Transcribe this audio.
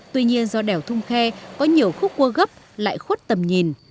tuy nhiên do đèo thung khe có nhiều khúc cua gấp lại khuất tầm nhìn